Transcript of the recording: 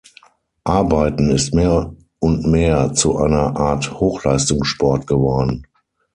Arbeiten ist mehr und mehr zu einer Art Hochleistungssport geworden.